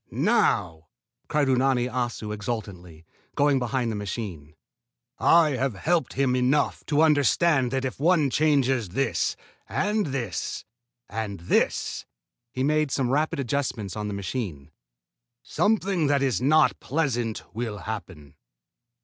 "Now!" cried Unani Assu exultingly, going behind the machine. "I have helped him enough to understand that if one changes this and this and this" he made some rapid adjustments on the machine "something that is not pleasant will happen."